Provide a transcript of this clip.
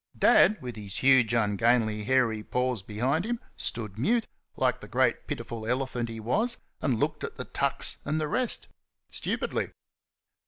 Dad, with his huge, ungainly, hairy paws behind him, stood mute, like the great pitiful elephant he was, and looked at the tucks and the rest stupidly.